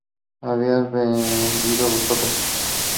It is best known for its extensive underground hangars.